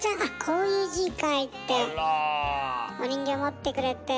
お人形持ってくれて。